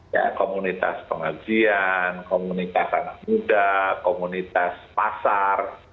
ya komunitas pengajian komunitas anak muda komunitas pasar